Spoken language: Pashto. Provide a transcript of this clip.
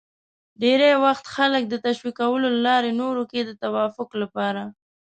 ډېری وخت خلک د تشویقولو له لارې نورو کې د توافق لپاره